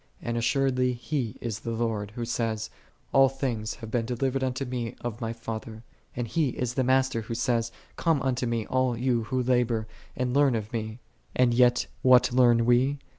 "4 And assuredly He is the Lord, Who saith, "All things have been delivered unto Me of My Father;"5 and He is the Master, Who saith, "Come unto Me, all ye who labor, and learn of Me; " and yet what learn we?